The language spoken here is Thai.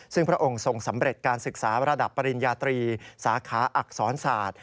ซึ่งพระองค์ทรงสำเร็จการศึกษาระดับปริญญาตรีสาขาอักษรศาสตร์